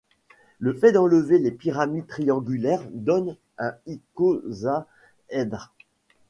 Le fait d'enlever les pyramides triangulaires donne un icosaèdre.